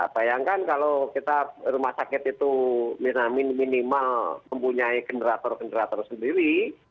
bayangkan kalau kita rumah sakit itu minimal mempunyai generator generator sendiri